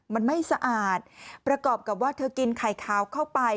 มันไม่สะอาดประกอบกับว่าเธอกินไข่ขาวเข้าไป